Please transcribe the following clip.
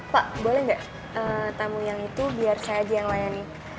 pak boleh nggak tamu yang itu biar saya aja yang layani